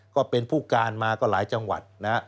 ก็เป็นผู้การมาก็หลายจังหวัดนะฮะ